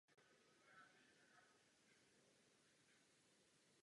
Po okupaci začala převládat spíše jeho literární činnost a z veřejného života se stáhl.